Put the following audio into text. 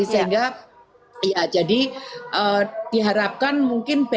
sehingga ya jadi diharapkan mungkin besok lagi